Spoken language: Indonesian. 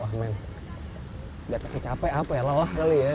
wah men gak kecapek apa ya lolah kali ya